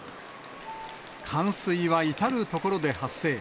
冠水は至る所で発生。